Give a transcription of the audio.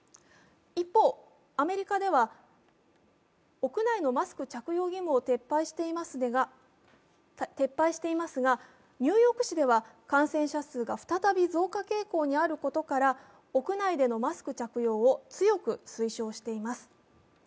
一方、アメリカでは屋内のマスク着用義務を撤廃していますがニューヨーク市では感染者数が再び増加傾向にあることから、屋内でのマスク着用を強く推奨しています。